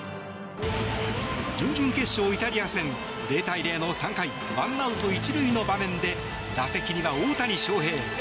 準々決勝イタリア戦０対０の３回ワンアウト１塁の場面で打席には大谷翔平。